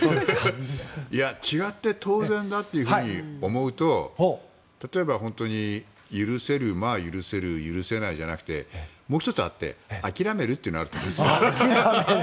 違って当然だというふうに思うと例えば本当に、許せるまあ許せる、許せないじゃなくてもう１つあって諦めるというのがあると思うんです。